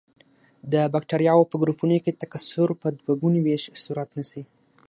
د بکټریاوو په ګروپونو کې تکثر په دوه ګوني ویش صورت نیسي.